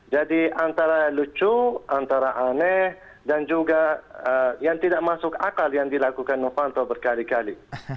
jadi antara lucu antara aneh dan juga yang tidak masuk akal yang dilakukan novanto berkali kali